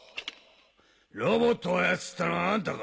ロボットを操ったのはあんたか？